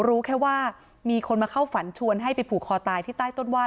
รู้แค่ว่ามีคนมาเข้าฝันชวนให้ไปผูกคอตายที่ใต้ต้นไห้